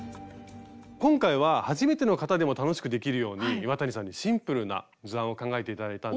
今回は初めての方でも楽しくできるように岩谷さんにシンプルな図案を考えて頂いたんで。